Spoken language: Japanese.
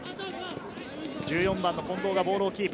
１４番の近藤がボールをキープ。